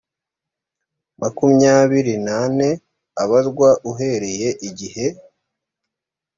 makumyabiri n ane abarwa uhereye igihe